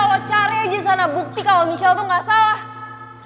lo cari aja sana bukti kalo michelle tuh ga salah